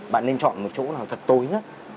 bạn nên chọn một chỗ nào thật tối nhất